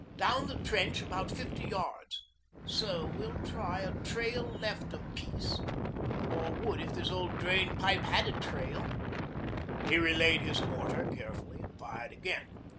Down the trench about fifty yards. So we'll try trail left a piece or would if this old drain pipe had a trail.' He relaid his mortar carefully, and fired again.